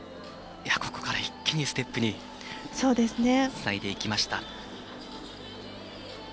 ここから一気にステップにつないでいきました。